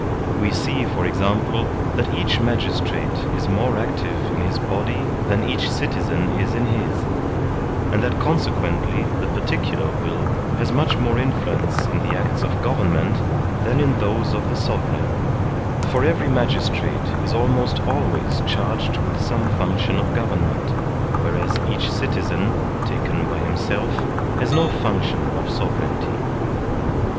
We see, for example, that each magistrate is more active in his body than each citizen is in his, and that consequently the particular will has much more influence in the acts of government than in those of the sovereign; for every magistrate is almost always charged with some function of government, whereas each citizen, taken by himself, has no function of sovereignty.